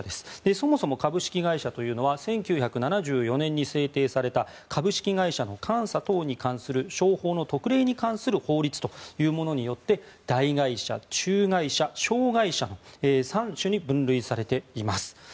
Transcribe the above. そもそも株式会社というのは１９７４年に制定された株式会社の監視等に関する商法の特例に関する法律というものによって大会社・中会社・小会社の３種に分類されています。